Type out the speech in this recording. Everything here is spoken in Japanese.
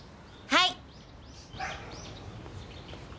はい！